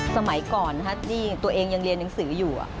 สมัยก่อนที่ตัวเองยังเรียนหนังสืออยู่